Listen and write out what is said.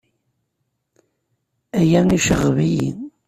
Aya iceɣɣeb-iyi.